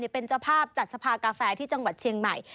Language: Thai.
เป็นเจ้าภาพจัดสภากาแฟที่จังหวัดเชียงใหม่